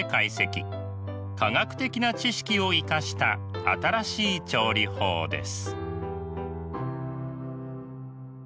科学的な知識を生かした新しい調理法です。